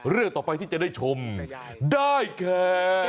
เรื่องต่อไปที่จะได้ชมได้แค่